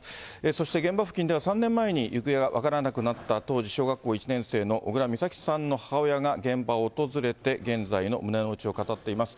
そして現場付近では、３年前に行方が分からなくなった、当時、小学校１年生の小倉美咲さんの母親が現場を訪れて、現在の胸の内を語っています。